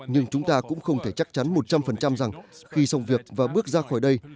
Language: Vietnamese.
nhưng chúng ta cũng không thể chắc chắn một trăm linh rằng khi xong việc và bước ra khỏi đây